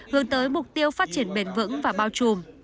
hướng tới mục tiêu phát triển bền vững và bao trùm